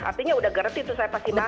artinya udah gara gara itu saya pasti masuk